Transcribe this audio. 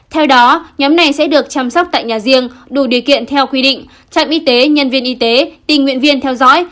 theo đó nhóm này sẽ được chăm sóc tại nhà riêng đủ điều kiện theo quy định trạm y tế nhân viên y tế tình nguyện viên theo dõi